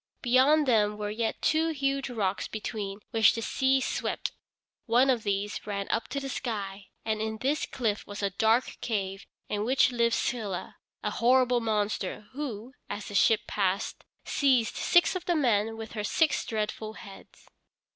Beyond them were yet two huge rocks between which the sea swept. One of these ran up to the sky, and in this cliff was a dark cave in which lived Scylla a horrible monster, who, as the ship passed seized six of the men with her six dreadful heads.